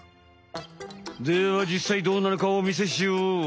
ではじっさいどうなのかお見せしよう！